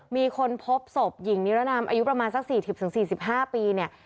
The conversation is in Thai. มีคนพบศพหญิงนิรนามอายุประมาณสัก๔๐๔๕ปีเนี่ย